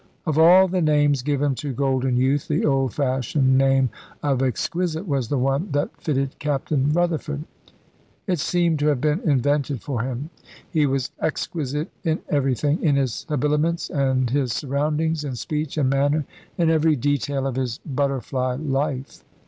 Of all the names given to golden youth the old fashioned name of "exquisite" was the one that fitted Captain Rutherford. It seemed to have been invented for him. He was exquisite in everything, in his habiliments and his surroundings, in speech, and manner, in every detail of his butterfly life.